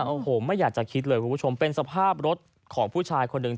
โอ้โหไม่อยากจะคิดเลยคุณผู้ชมเป็นสภาพรถของผู้ชายคนหนึ่ง